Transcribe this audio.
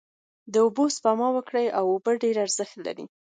داوبوسپما وکړی او اوبه ډیر ارښت لری